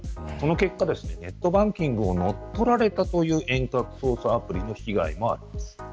その結果、ネットバンキングを乗っ取られたという遠隔操作アプリの被害もあります。